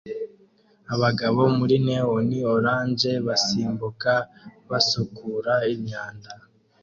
Abagabo muri neon orange basimbuka basukura imyanda